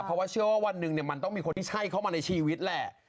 เพราะว่าเชื่อว่าวันหนึ่งมันต้องมีคนที่ใช่เข้ามาในชีวิตแหละ